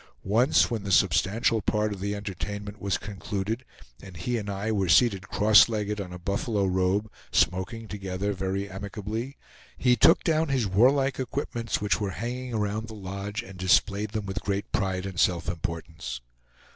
Once when the substantial part of the entertainment was concluded, and he and I were seated cross legged on a buffalo robe smoking together very amicably, he took down his warlike equipments, which were hanging around the lodge, and displayed them with great pride and self importance.